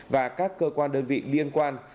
và các cơ quan đơn vị liên quan